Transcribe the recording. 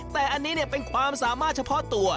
แต่อันนี้เป็นความสามารถเฉพาะตัว